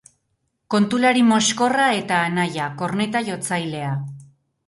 Kontulari moxkorra eta anaia, korneta-jotzailea.